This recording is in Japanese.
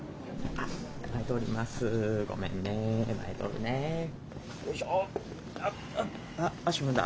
あっ足踏んだ？